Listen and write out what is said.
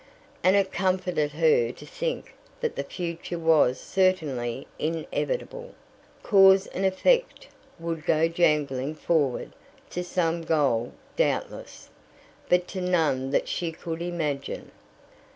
And it comforted her to think that the future was certainly inevitable: cause and effect would go jangling forward to some goal doubtless, but to none that she could imagine.